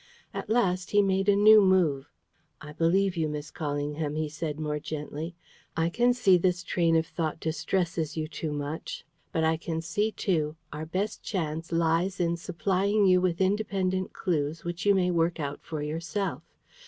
At last he made a new move. "I believe you, Miss Callingham," he said, more gently. "I can see this train of thought distresses you too much. But I can see, too, our best chance lies in supplying you with independent clues which you may work out for yourself.